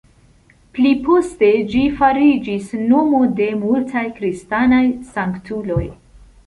Pli poste ĝi fariĝis nomo de multaj kristanaj sanktuloj.